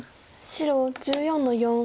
白１４の四。